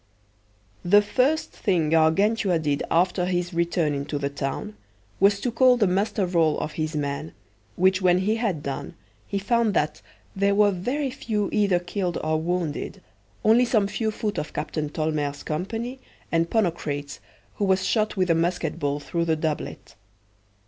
The first thing Gargantua did after his return into the town was to call the muster roll of his men, which when he had done, he found that there were very few either killed or wounded, only some few foot of Captain Tolmere's company, and Ponocrates, who was shot with a musket ball through the doublet.